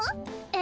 え？